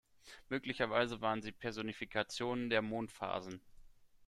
Möglicherweise waren sie Personifikationen der Mondphasen.